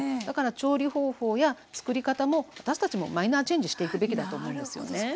だから調理方法や作り方も私たちもマイナーチェンジしていくべきだと思うんですよね。